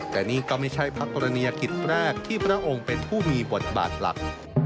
แต่นี่ก็ไม่ใช่พระกรณียกิจแรกที่พระองค์เป็นผู้มีบทบาทหลัก